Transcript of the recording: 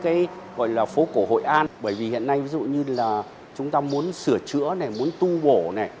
cái gọi là phố cổ hội an bởi vì hiện nay ví dụ như là chúng ta muốn sửa chữa này muốn tu bổ này